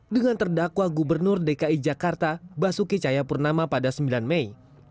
dengan terdakwa gubernur dki jakarta basuki cayapurnama pada sembilan mei